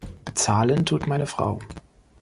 Bezahlen tut meine Frau.